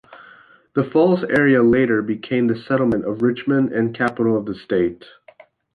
The falls area later became the settlement of Richmond and capital of the state.